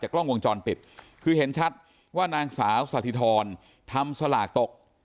กล้องวงจรปิดคือเห็นชัดว่านางสาวสถิธรทำสลากตก